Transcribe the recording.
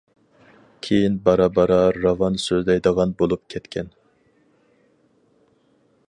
كېيىن بارا-بارا راۋان سۆزلەيدىغان بولۇپ كەتكەن.